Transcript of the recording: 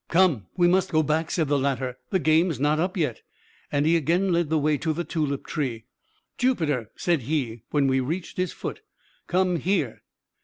"Come! we must go back," said the latter, "the game's not up yet;" and he again led the way to the tulip tree. "Jupiter," said he, when we reached its foot, "come here!